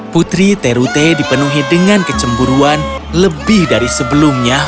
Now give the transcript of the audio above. putri terute dipenuhi dengan kecemburuan lebih dari sebelumnya